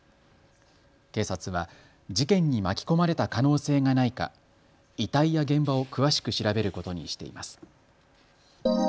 警察は事件に巻き込まれた可能性がないか、遺体や現場を詳しく調べることにしています。